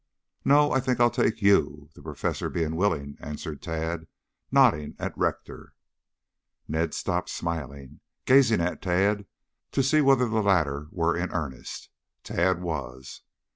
"No, I think I'll take you, the Professor being willing," answered Tad nodding at Rector. Ned stopped smiling, gazing at Tad to see whether the latter were in earnest. Tad was.